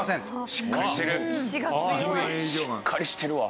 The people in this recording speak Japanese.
しっかりしてるわ。